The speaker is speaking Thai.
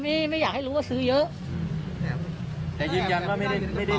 ไม่ไม่อยากให้รู้ว่าซื้อเยอะอืมแต่ยืนยันว่าไม่ได้ไม่ได้